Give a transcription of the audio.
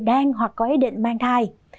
đang hoặc có ý định mang thai